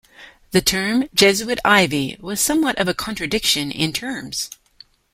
The term "Jesuit Ivy" was somewhat of a contradiction in terms.